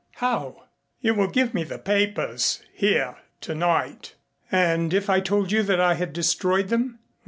"How?" "You will give me the papers here, tonight." "And if I told you that I had destroyed them?"